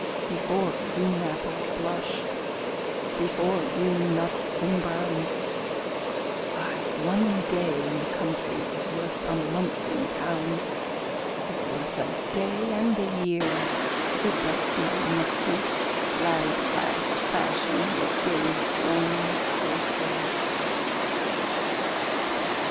Before green apples blush, Before green nuts embrown, Why, one day in the country Is worth a month in town; Is worth a day and a year Of the dusty, musty, lag last fashion That days drone elsewhere.